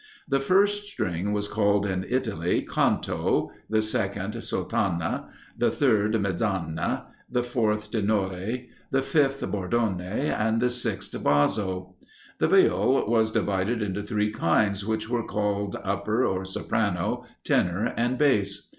The first string was called in Italy Canto, the second Sotana, the third Mezzana, the fourth Tenore, the fifth Bordone, and the sixth Basso. The Viol was divided into three kinds, which were called Upper or Soprano, Tenor, and Bass.